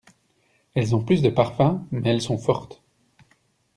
Elles ont plus de parfum, mais elles sont fortes.